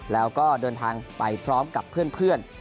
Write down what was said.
แล้วก็เดินทางไปพร้อมกับเพื่อน